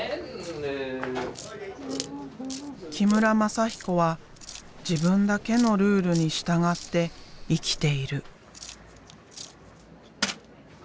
木村全彦は自分だけのルールに従って生きている。